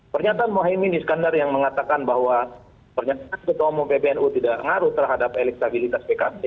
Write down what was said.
pernyataan mohaimini skandar yang mengatakan bahwa pernyataan ketua umum ppnu tidak mengaruh terhadap elektabilitas pkb